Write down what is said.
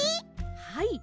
はい。